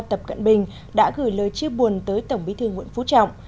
tập cận bình đã gửi lời chia buồn tới tổng bí thư nguyễn phú trọng